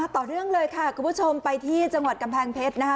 ต่อเนื่องเลยค่ะคุณผู้ชมไปที่จังหวัดกำแพงเพชรนะคะ